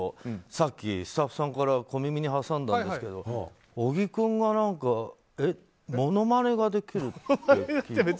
さっきスタッフさんから小耳に挟んだんですけど小木君が何かものまねができるって。